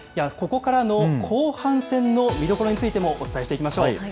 ここからの後半戦の見どころについてもお伝えしていきましょう。